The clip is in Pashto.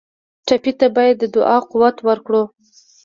ټپي ته باید د دعا قوت ورکړو.